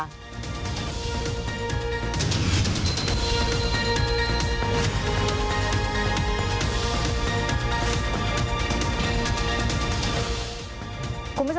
ถ้าเกิดอะไรขึ้นนะครับ